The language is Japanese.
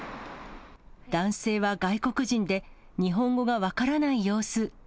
男性は外国人で、日本語が分からない様子。